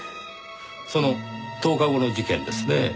その１０日後の事件ですねぇ。